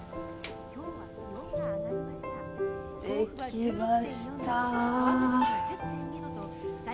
できました。